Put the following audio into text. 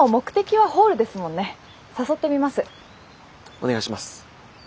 お願いします。